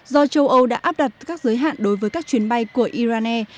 do châu âu đã áp đặt các giới hạn đối với các chuyến bay của iran air